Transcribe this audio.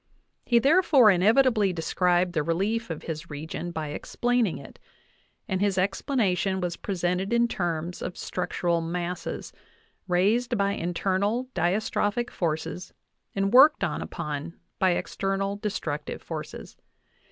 He therefore inevitably described the relief of his region by explaining it, and his explanation was presented in terms of structural masses, raised by internal diastrophic forces and worked upon by external destructive forces.